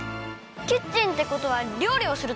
キッチンってことはりょうりをするところ？